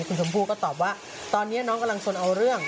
คุณชมพู่ก็ตอบว่าตอนนี้น้องกำลังสนเอาเรื่อง